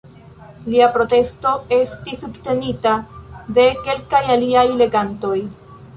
Lia protesto estis subtenita de kelkaj aliaj legantoj.